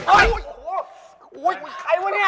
โอ้โหใครวะเนี่ย